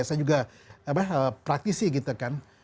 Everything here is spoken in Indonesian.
saya juga praktisi gitu kan